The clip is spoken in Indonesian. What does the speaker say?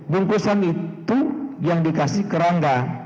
bungkusan itu yang dikasih ke rangga